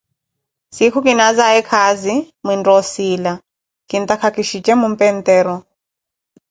siikho kinaazaye khaazi, mwintta osiila, kintakha ki shije mompe ntero.